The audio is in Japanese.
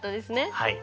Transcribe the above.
はい。